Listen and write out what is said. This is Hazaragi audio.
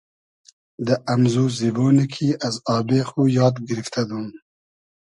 دۂ امزو زیبۉنی کی از آبې خو یاد گیرفتۂ دوم